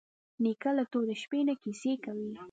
نیکه له تورې شپې نه کیسې کوي.